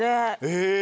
へえ！